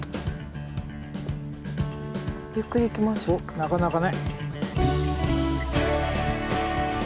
なかなかね。